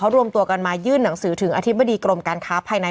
รวมตัวกันมายื่นหนังสือถึงอธิบดีกรมการค้าภายใน